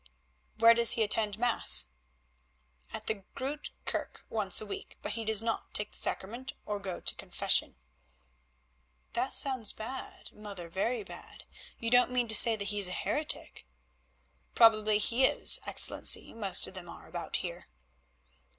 "Where does he attend Mass?" "At the Groote Kerke once a week, but he does not take the Sacrament or go to confession." "That sounds bad, mother, very bad. You don't mean to say that he is a heretic?" "Probably he is, Excellency; most of them are about here."